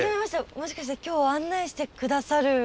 もしかして今日案内して下さる。